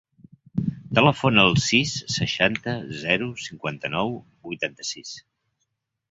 Telefona al sis, seixanta, zero, cinquanta-nou, vuitanta-sis.